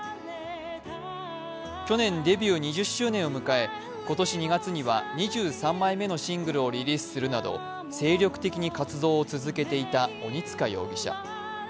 去年デビュー２０周年を迎え、今年２月には２３枚目のシングルをリリースするなど、精力的に活動を続けていた鬼束容疑者。